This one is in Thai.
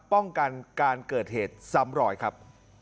ป้องกันการเกิดเหตุซ้ำรอยครับ